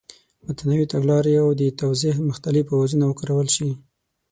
متنوع تګلارې او د توضیح مختلف اوزارونه وکارول شي.